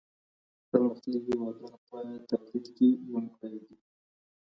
پرمختللي هېوادونه په تولید کي لومړي دي.